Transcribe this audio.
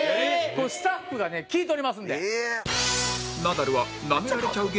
スタッフがね聞いておりますので。